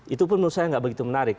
itu pun menurut saya nggak begitu menarik